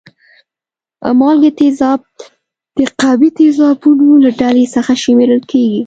مالګې تیزاب د قوي تیزابونو له ډلې څخه شمیرل کیږي.